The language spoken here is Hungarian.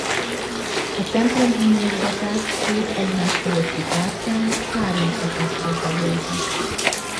A templom homlokzatát két egymás fölötti párkány három szakaszra tagolta.